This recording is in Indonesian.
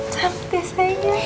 selamat ya sayang